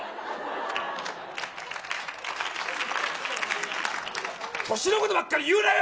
お前、年のことばっか言うなよ！